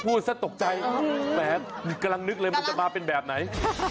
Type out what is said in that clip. พูดซะตกใจแหมกำลังนึกเลยมันจะมาเป็นแบบไหน